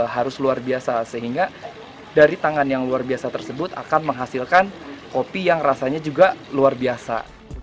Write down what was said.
harus luar biasa sehingga dari tangan yang luar biasa tersebut akan menghasilkan kopi yang rasanya juga luar biasa